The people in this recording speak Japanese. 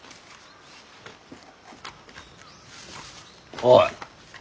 おい。